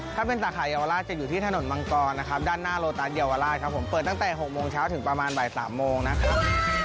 ถ้าเป็นสาขาเยาวราชจะอยู่ที่ถนนมังกรนะครับด้านหน้าโลตัสเยาวราชครับผมเปิดตั้งแต่๖โมงเช้าถึงประมาณบ่าย๓โมงนะครับ